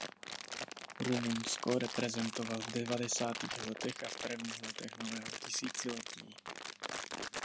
Rumunsko reprezentoval v devadesátých letech a v prvních letech nového tisíciletí.